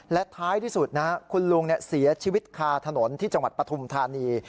และท้ายที่สุดนะคุณลุงเสียชีวิตคาถนนที่จังหวัดปฐุมธานี